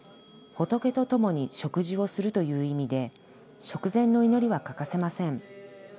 仏と共に食事をするという意味で、食前の祈りは欠かせません。